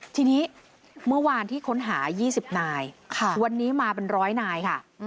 ทีนี้เมื่อวานที่ค้นหา๒๐นายวันนี้มาเป็นร้อยนายค่ะ